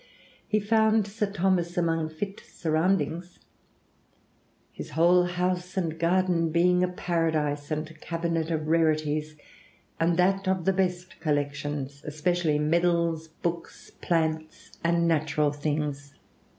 He found Sir Thomas among fit surroundings, "his whole house and garden being a paradise and cabinet of rarities, and that of the best collections, especially medails, books, plants, and natural things."